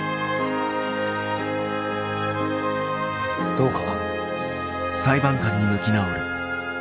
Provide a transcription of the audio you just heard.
どうか。